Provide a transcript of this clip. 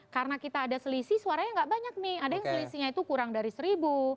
karena kita ada selisih suaranya tidak banyak nih ada yang selisihnya itu kurang dari seribu